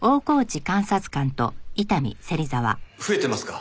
増えてますか？